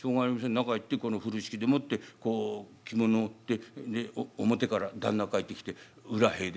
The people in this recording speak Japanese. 中入ってこの風呂敷でもってこう着物を負って表から旦那帰ってきて裏塀で。